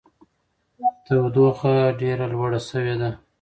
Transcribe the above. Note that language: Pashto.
تودوخه ډېره لوړه شوې ده.